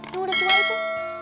yang udah jual itu